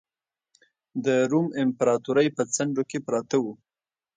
د روم امپراتورۍ په څنډو کې پراته وو.